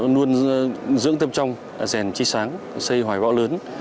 luôn dưỡng tâm trong giàn trí sáng xây hoài võ lớn